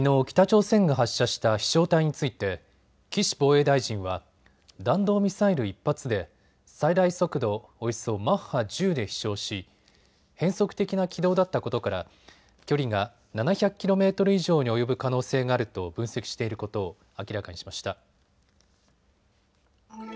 北朝鮮が発射した飛しょう体について岸防衛大臣は弾道ミサイル１発で最大速度、およそマッハ１０で飛しょうし変則的な軌道だったことから距離が７００ｋｍ以上に及ぶ可能性があると分析していることを明らかにしました。